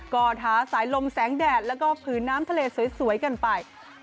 ก็ท้าสายลมแสงแดดแล้วก็ผืนน้ำทะเลสวยกันไป